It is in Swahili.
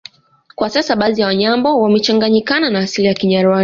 Kwa sasa baadhi ya Wanyambo wamechanganyikana na asili ya Kinyarwanda